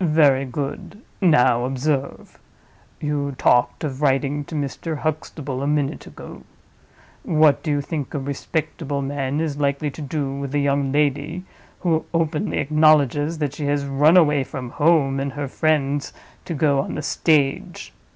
"Very good. Now observe! You talked of writing to Mr. Huxtable a minute ago. What do you think a respectable man is likely to do with a young lady who openly acknowledges that she has run away from her home and her friends to go on the stage?